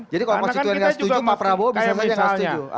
jadi kalau konstituennya gak setuju pak prabowo bisa saja gak setuju